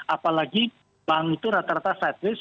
apalagi bank itu rata rata sidelis